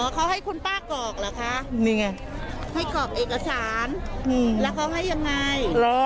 เขาให้คุณป้ากรอกเหรอคะนี่ไงให้กรอกเอกสารแล้วเขาให้ยังไง